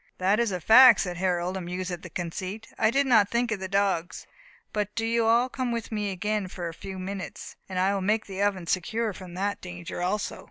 "That is a fact," said Harold, amused at the conceit. "I did not think of the dogs. But do you all come with me again for a few minutes, and I will make the oven secure from that danger also."